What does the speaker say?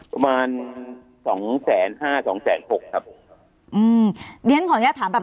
ประมาณสองแสนห้าสองแสนหกครับอืมเรียนขออนุญาตถามแบบ